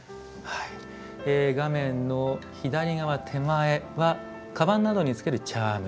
画面の左側手前はかばんなどにつけるチャーム。